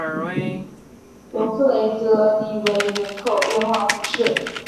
容克雷德利韦人口变化图示